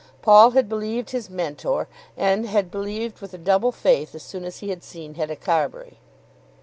Paul had believed his Mentor, and had believed with a double faith as soon as he had seen Hetta Carbury.